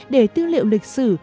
để tư liệu lịch sử